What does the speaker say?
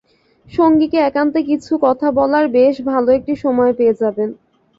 সঙ্গীকে একান্ত কিছু কথা বলার বেশ ভালো একটি সময় পেয়ে যাবেন।